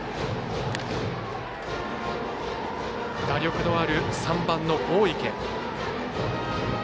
打力のある３番の大池。